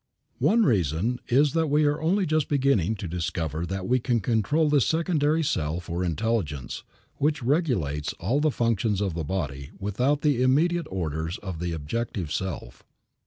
One reason is that we are only just beginning to discover that we can control this secondary self or intelligence, which regulates all the functions of the body without the immediate orders of the objective self.